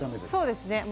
そうですね。